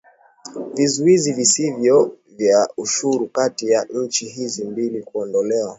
Vizuizi visivyo vya ushuru kati ya nchi hizi mbili kuondolewa